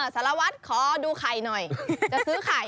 สารวัตรขอดูไข่หน่อยจะซื้อไข่